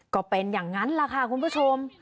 ก็เป็นอย่างนั้นแหละค่ะคุณผู้ชม